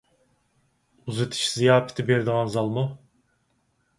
ئۇزىتىش زىياپىتى بېرىدىغان زالمۇ؟